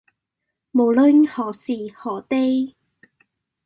無論何時何地